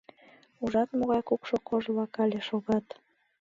Ужат, могай кукшо кож-влак але шогат!